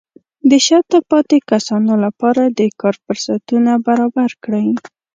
د شاته پاتې کسانو لپاره د کار فرصتونه برابر کړئ.